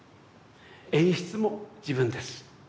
演出も自分です。